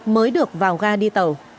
mới được vào ga đi tàu